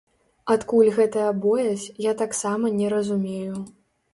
Адкуль гэтая боязь, я таксама не разумею.